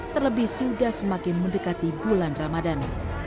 terlebih sudah semakin mendekati bulan ramadan